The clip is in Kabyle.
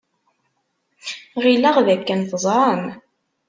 Ɣileɣ dakken teẓram.